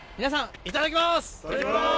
いただきます！